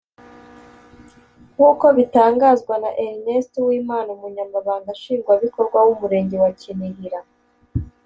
nk’uko bitangazwa na Ernest Uwimana umunyamabanga nshingwabikorwa w’umurenge wa Kinihira